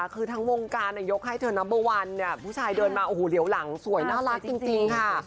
คือทั้งวงการยกให้เธอนัมเบอร์วันเนี่ยผู้ชายเดินมาโอ้โหเหลียวหลังสวยน่ารักจริงค่ะ